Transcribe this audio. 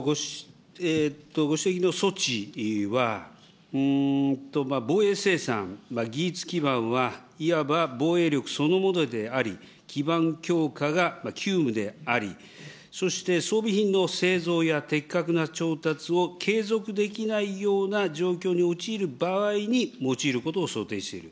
これはご指摘の措置は、防衛生産、技術基盤はいわば防衛力そのものであり、基盤強化が急務であり、そして装備品の製造や的確な調達を継続できないような状況に陥る場合に用いることを想定している。